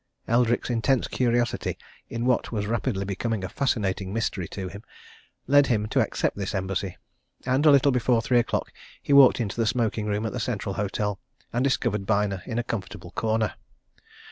Eldrick's intense curiosity in what was rapidly becoming a fascinating mystery to him, led him to accept this embassy. And a little before three o'clock he walked into the smoking room at the Central Hotel and discovered Byner in a comfortable corner.